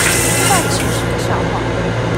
這到底是不是個笑話